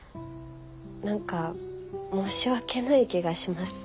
何か申し訳ない気がします。